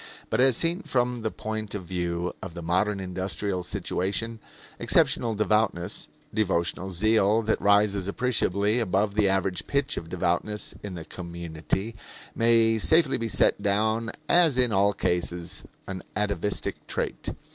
But as seen from the point of view of the modern industrial situation, exceptional devoutness devotional zeal that rises appreciably above the average pitch of devoutness in the community may safely be set down as in all cases an atavistic trait.